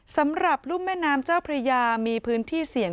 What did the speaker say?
สำหรับรุ่มแม่น้ำเจ้าพระยามีพื้นที่เสี่ยง